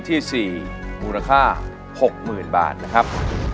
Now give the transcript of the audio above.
ที่๔มูลค่า๖๐๐๐บาทนะครับ